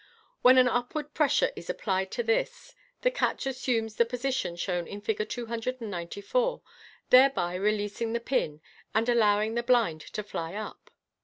When an upward pressure is applied to this, the catch assumes the position shown in Fig. 294, thereby releasing the pin, and allowing the blind to fly up.